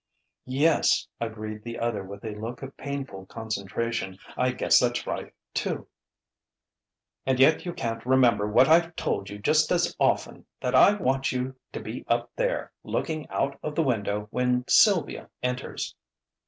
"Yes," agreed the other with a look of painful concentration; "I guess that's right, too." "And yet you can't remember what I've told you just as often that I want you to be up there, looking out of the window, when Sylvia enters!"